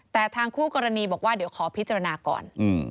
แต่ทางคู่กรณีบอกว่าเดี๋ยวขอพิจารณาก่อน